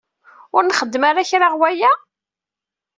Ur nxeddem ara kra ɣe waya?